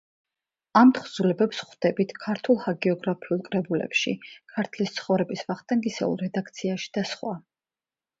ამ თხზულებებს ვხვდებით ქართულ ჰაგიოგრაფიულ კრებულებში, „ქართლის ცხოვრების“ ვახტანგისეულ რედაქციაში და სხვა.